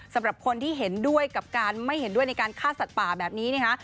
สำหรับคนที่เห็นด้วยกับการไม่เห็นด้วยในการฆ่าสัตว์ป่าแบบนี้นะคะ